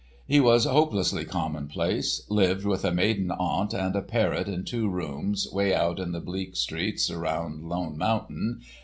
He was hopelessly commonplace, lived with a maiden aunt and a parrot in two rooms, way out in the bleak streets around Lone Mountain.